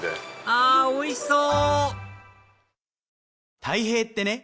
あおいしそう！